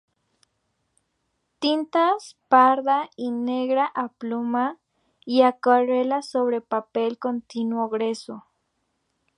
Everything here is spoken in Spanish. Tintas parda y negra a pluma y acuarelas sobre papel continuo grueso.